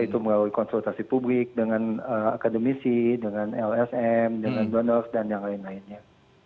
itu melalui konsultasi publik dengan akademisi dengan lsm dengan donov dan yang lain lainnya